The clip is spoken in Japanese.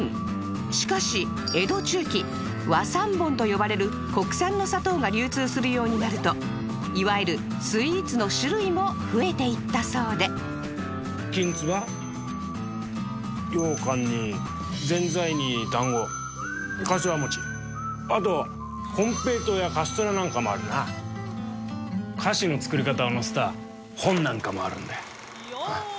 しかし江戸中期和三盆と呼ばれる国産の砂糖が流通するようになるといわゆるスイーツの種類も増えていったそうで菓子の作り方を載せた本なんかもあるんだよ。